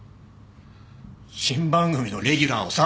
新番組のレギュラーをさ。